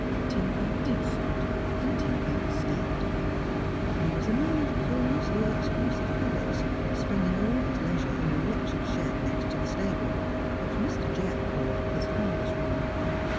Tinker did suit, and Tinker stayed. He was a man of curiously exclusive habits, spending all his leisure in a wretched shed next the stable, which Mr. Jebb called his harness room.